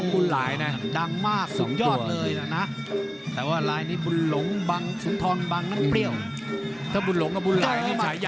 บุญหลงคือบุญหลาย